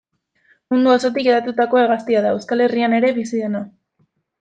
Mundu osotik hedatutako hegaztia da, Euskal Herrian ere bizi dena.